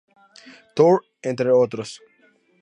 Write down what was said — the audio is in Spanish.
Tour, entre otros.